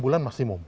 enam bulan maksimum